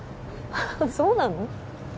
そうなの？